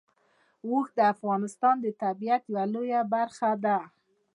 اوښ د افغانستان د طبیعت یوه لویه برخه ده.